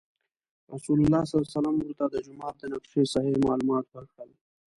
رسول الله صلی الله علیه وسلم ورته د جومات د نقشې صحیح معلومات ورکړل.